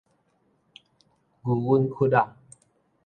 牛隱窟仔